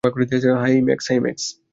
High, max.